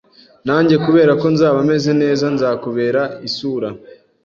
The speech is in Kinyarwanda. Nanjye Kuberako nzaba meze neza nzakubera isura